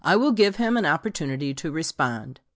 I give him an opportunity to respond.